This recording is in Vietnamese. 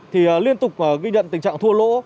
thì liên tục ghi nhận tình trạng thua lỗ